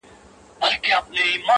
o لكه د دوو جنـــــــگ؛